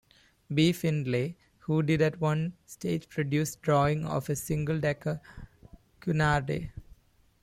B. Findlay, who did at one stage produce drawings of a single-decker Cunarder.